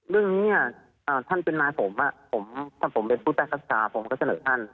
เรื่องนี้ท่านเป็นนายผมถ้าผมเป็นผู้ใต้รักษาผมก็เสนอท่าน